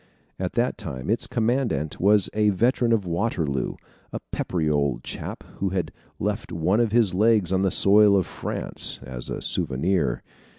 At that time, its commandant was a veteran of Waterloo, a peppery old chap who had left one of his legs on the soil of France, as a souvenir.